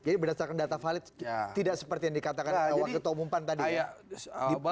jadi berdasarkan data valid tidak seperti yang dikatakan oleh wak ketua umum pan tadi ya